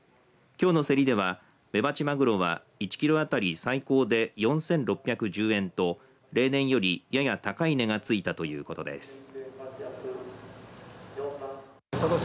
きょうの競りではメバチマグロは１キロあたり最高で４６１０円と例年よりやや高い値がついたということです。